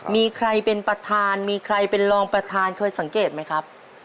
มีใครเป็นประธานมีใครเป็นรองประธานเคยสังเกตไหมครับ